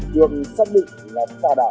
được xác định là tà đạo